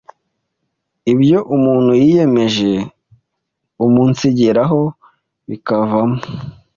ibyo umuntu yiyemeje umunsigeraho bikavamo